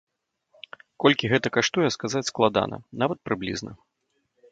Колькі гэта каштуе, сказаць складана, нават прыблізна.